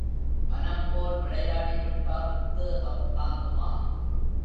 மனம் போல் விளையாடிவிட்டால், தேகம் தாங்குமா?